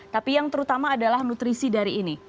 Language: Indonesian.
tapi yang terutama adalah nutrisi dari ini